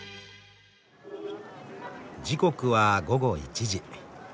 時刻は午後１時。